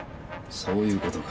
そういうことか。